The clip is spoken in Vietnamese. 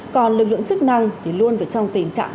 còn lực lượng chức năng thì luôn phải trong tình trạng